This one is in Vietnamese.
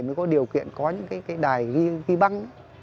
mới có điều kiện có những cái đài ghi băng